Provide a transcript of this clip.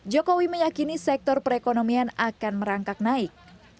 jokowi meyakini sektor perekonomian akan merangkak naik